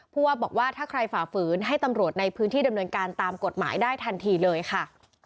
ว่าบอกว่าถ้าใครฝ่าฝืนให้ตำรวจในพื้นที่ดำเนินการตามกฎหมายได้ทันทีเลยค่ะ